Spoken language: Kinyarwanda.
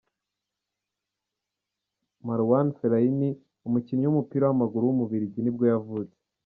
Marouane Fellaini, umukinnyi w’umupira w’amaguru w’umubiligi nibwo yavutse.